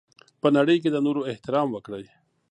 په نړۍ کي د نورو احترام وکړئ.